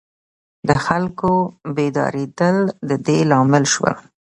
د خلکو بیدارېدل د دې لامل شول.